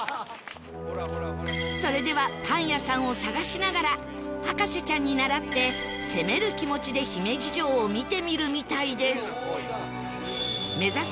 それではパン屋さんを探しながら博士ちゃんにならって攻める気持ちで姫路城を見てみるみたいです